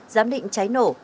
giám định cháy nổ